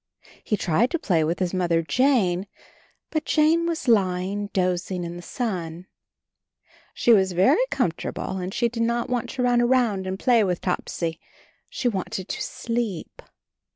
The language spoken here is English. He tried to play with his Mother Jane, but Jane was lying dozing in the sun. She was very com fortable, and she did not want to run around and play with Topsy; she wanted to sleep.